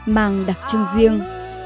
mang đặc trưng riêng